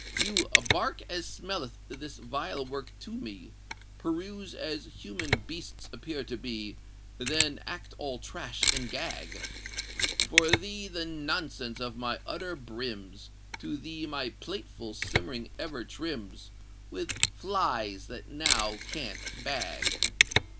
You bark as smelleth this vile work to me, Peruse as human beasts appear to be, Then act all trash and gag! For thee the nonsense of my utter brims; To thee my platefull simmering ever trims With flies that now can't bag!